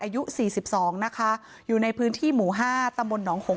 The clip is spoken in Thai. อายุสี่สิบสองนะคะอยู่ในพื้นที่หมู่ห้าตำบลหนองหง